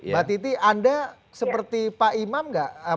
mbak titi anda seperti pak imam nggak